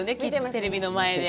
テレビの前で。